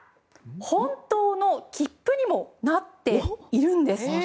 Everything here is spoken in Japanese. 本当の切符にもなっているんです。